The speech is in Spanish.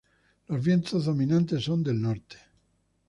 Los vientos dominantes son del norte.